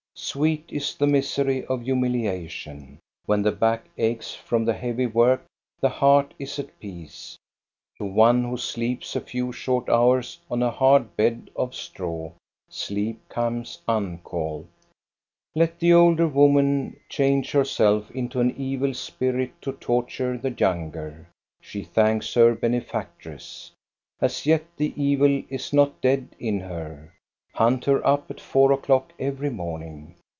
Sweet is the misery of humiliation. When the back aches from the heavy work the heart is at peace. To one who sleeps a few short hours on a hard bed of straw, sleep comes uncalled. Let the older woman change herself into an evil spirit to torture the younger. She thanks her bene factress. As yet the evil is not dead in her. Hunt her up at four o'clock every morning